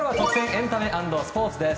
エンタメ＆スポーツ。